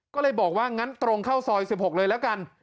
ก็เลยบอกว่างั้นตรงเข้าซอย๑๖เลยแล้วกัน